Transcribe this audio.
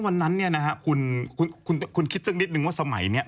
วันนั้นเนี่ยนะฮะคุณคิดสักนิดนึงว่าสมัยนี้